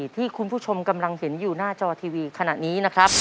ที่คุณผู้ชมกำลังเห็นอยู่หน้าจอทีวีขณะนี้นะครับ